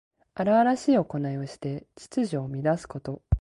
荒々しいおこないをして秩序を乱すこと。